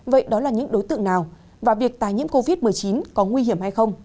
vậy đó là những đối tượng nào và việc tài nhiễm covid một mươi chín có nguy hiểm hay không